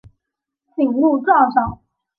谨录状上。